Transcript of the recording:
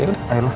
eh kayak gitu